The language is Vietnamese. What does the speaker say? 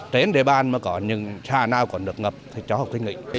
trên đề ban mà có những xã nào còn được ngập thì chó học thích nghị